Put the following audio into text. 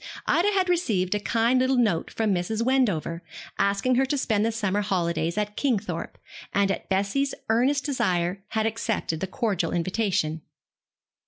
Ida had received a kind little note from Mrs. Wendover, asking her to spend her summer holidays at Kingthorpe, and at Bessie's earnest desire had accepted the cordial invitation.